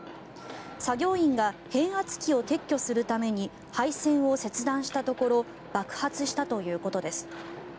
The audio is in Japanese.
作業員が変圧器を撤去するために配線を切断したところ爆発したということです。